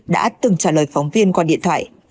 đã từng trả lời phóng viên qua điện thoại